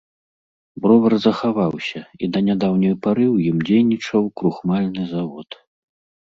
Бровар захаваўся, і да нядаўняй пары ў ім дзейнічаў крухмальны завод.